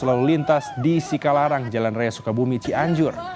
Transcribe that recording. lalu lintas di sikalarang jalan raya sukabumi cianjur